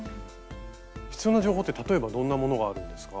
必要な情報って例えばどんなものがあるんですか？